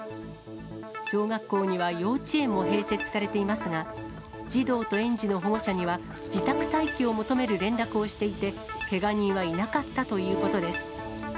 小学校には幼稚園も併設されていますが、児童と園児の保護者には、自宅待機を求める連絡をしていて、けが人はいなかったということです。